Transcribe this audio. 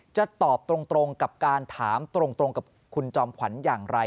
จะตอบตรงกับการถามตรงกับคุณจอมขวัญอย่างไร